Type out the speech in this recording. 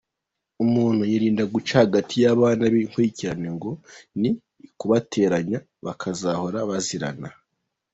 Umuntu yirinda guca hagati y’abana b’inkurikirane, ngo ni ukubateranya bakazahora bazirana.